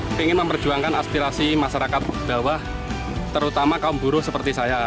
saya ingin memperjuangkan aspirasi masyarakat bawah terutama kaum buruh seperti saya